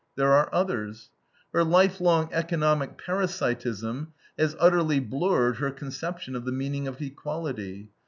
There are others. Her life long economic parasitism has utterly blurred her conception of the meaning of equality.